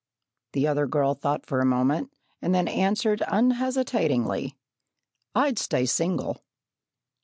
The other girl thought for a moment, and then answered unhesitatingly: "I'd stay single."